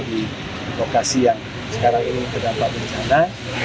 di lokasi yang sekarang ini terdampak bencana